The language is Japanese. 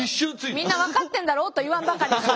みんな分かってんだろうと言わんばかりに。